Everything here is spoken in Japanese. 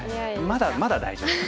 まだまだ大丈夫。